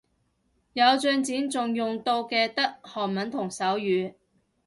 有進展仲用到嘅得韓文同手語